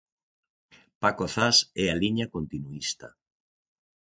Paco Zas é a liña continuísta.